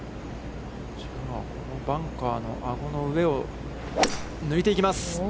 このバンカーのアゴの上を抜いていきます。